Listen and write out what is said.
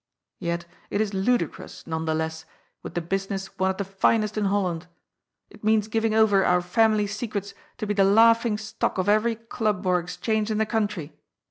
Yet it is ludicrous, none the less, with the business one of the finest in Holland. It means giving over our family secrets to be the laughing stock of every club or exchange in the country.